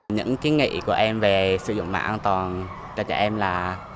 những kiến nghị của em về sử dụng mạng an toàn cho trẻ em là